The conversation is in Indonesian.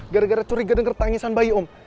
gara gara curiga denger tangisan bayi om